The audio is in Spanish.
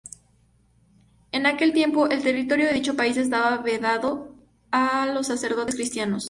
En aquel tiempo el territorio de dicho país estaba vedado a los sacerdotes cristianos.